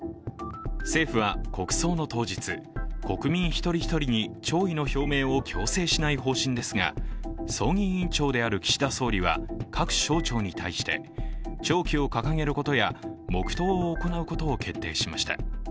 政府は国葬の当日、国民一人一人に弔意の表明を強制しない方針ですが、葬儀委員長である岸田総理は各省庁に対して弔旗を掲げることや黙とうを行うことを決定しました。